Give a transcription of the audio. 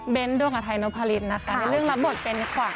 เบนด้งดาไทนภรินในเรื่องรับบทเป็นขวัญ